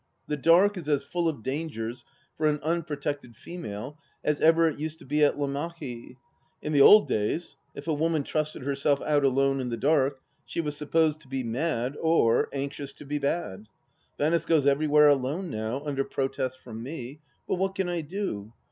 The dark is as full of dangers for an improtected female as ever it used to be at Lammachie. In the old days, if a woman trusted herself out alone in the dark, she was supposed to be mad or anxious to be bad. Venice goes everywhere alone, now, \mder protest from me ; but what can I do